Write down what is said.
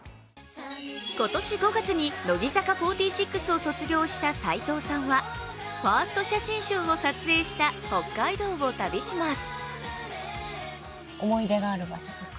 今年５月に乃木坂４６を卒業した齋藤さんはファースト写真集を撮影した北海道を旅します